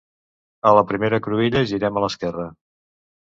A la primera cruïlla girem a l'esquerra